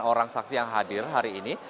lima orang saksi yang hadir hari ini